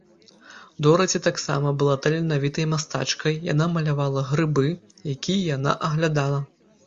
Дораці таксама была таленавітай мастачкай, яна малявала грыбы, якія яна аглядала.